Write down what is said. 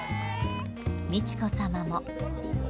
美智子さまも。